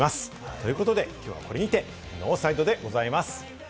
ということで、これにてノーサイドでございます。